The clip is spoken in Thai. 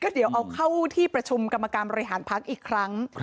เดี๋ยวเอาเข้าที่ประชุมกรรมการบริหารพักอีกครั้ง